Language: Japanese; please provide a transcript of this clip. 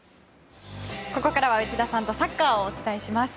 ここからは内田さんとサッカーをお伝えします。